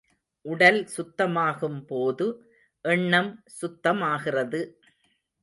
உடல் சுத்தமாகும் போது, எண்ணம் சுத்தமாகிறது.